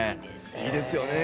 いいですよね。